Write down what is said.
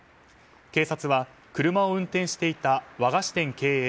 警察は車を運転していた和菓子店経営